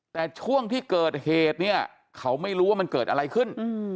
แต่ช่วงที่เกิดเหตุเนี่ยเขาไม่รู้ว่ามันเกิดอะไรขึ้น